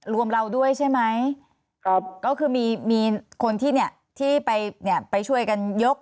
รวมเราด้วยใช่ไหมครับก็คือมีมีคนที่เนี่ยที่ไปเนี่ยไปช่วยกันยก